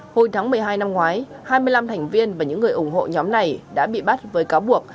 hồi tháng một mươi hai năm ngoái hai mươi năm thành viên và những người ủng hộ nhóm này đã bị bắt với cáo buộc